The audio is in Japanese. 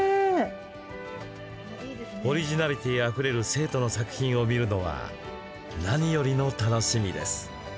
オリジナリティーあふれる生徒の作品を見るのは何よりの楽しみです。